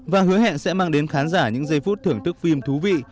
và hứa hẹn sẽ mang đến khán giả những giây phút thưởng thức phim thú vị